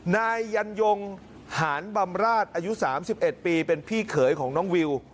นายยันยงหานบำราชอายุ๓๑ปีเป็นพี่เขยของน้องวิว